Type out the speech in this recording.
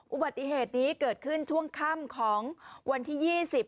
อุบัติเหตุนี้เกิดขึ้นช่วงค่ำของวันที่ยี่สิบ